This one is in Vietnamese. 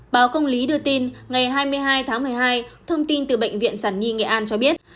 báo công lý đưa tin ngày hai mươi hai tháng một mươi hai thông tin từ bệnh viện sản nhi nghệ an cho biết